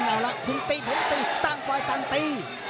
หมอก็เอาแล้วคุณตีผมตีตั้งควายตั้งตี